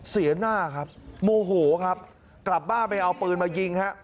เสียหน้าครับโมโหครับกลับบ้านไปเอาปืนมายิงฮะ